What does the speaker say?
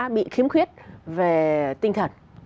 bị khiếm khuyết về tinh thần